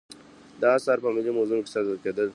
دا اثار په ملي موزیم کې ساتل کیدل